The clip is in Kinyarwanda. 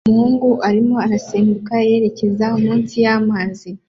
Umuhungu arimo arasimbuka yerekeza munsi y'amazi